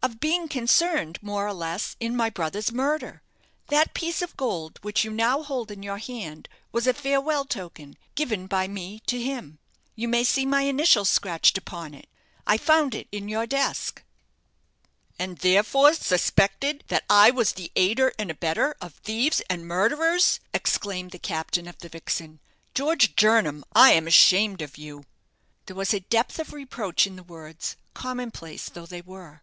"Of being concerned, more or less, in my brother's murder. That piece of gold which you now hold in your hand was a farewell token, given by me to him; you may see my initials scratched upon it. I found it in your desk." "And therefore suspected that I was the aider and abettor of thieves and murderers!" exclaimed the captain of the "Vixen." "George Jernam, I am ashamed of you." There was a depth of reproach in the words, common place though they were.